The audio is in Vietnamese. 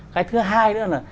cái thứ hai nữa là